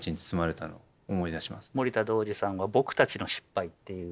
森田童子さんが「ぼくたちの失敗」っていう。